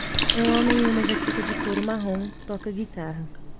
Um homem em uma jaqueta de couro marrom toca guitarra